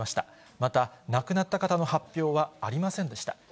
また、亡くなった方の発表はありませんでした。